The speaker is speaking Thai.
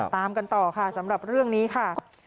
ตามกันต่อค่ะสำหรับเรื่องนี้ค่ะ